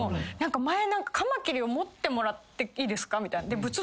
前何かカマキリを持ってもらっていいですかみたいな。